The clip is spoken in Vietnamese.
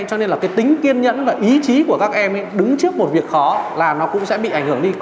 cho nên là cái tính kiên nhẫn và ý chí của các em đứng trước một việc khó là nó cũng sẽ bị ảnh hưởng đi